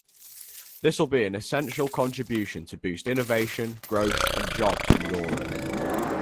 This will be an essential contribution to boost innovation, growth and jobs in Europe.